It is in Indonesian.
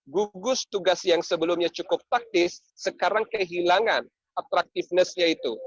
gugus tugas yang sebelumnya cukup taktis sekarang kehilangan atractiveness nya itu